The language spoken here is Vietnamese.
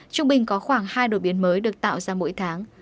trung bình có khoảng hai đột biến mới được tạo ra mỗi tháng